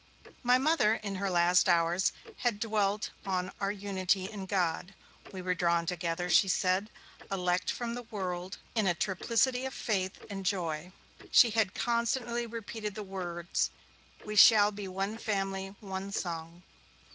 My Mother, in her last hours, had dwelt on our unity in God; we were drawn together, she said, elect from the world, in a triplicity of faith and joy. She had constantly repeated the words: 'We shall be one family, one song.